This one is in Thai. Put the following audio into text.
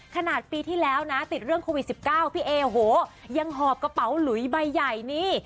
ขนาดปีที่แล้วนะติดเรื่องโควิด๑๙พี่เอโหยังหอบกระเป๋าหลุยใบใหญ่นี่